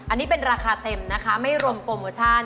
อันนี้เป็นราคาเต็มนะคะไม่รวมโปรโมชั่น